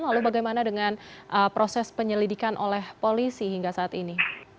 lalu bagaimana dengan proses penyelidikan oleh polisi hingga saat ini